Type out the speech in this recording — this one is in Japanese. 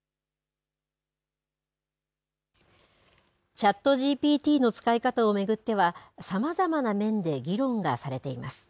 ＣｈａｔＧＰＴの使い方を巡っては、さまざまな面で議論がされています。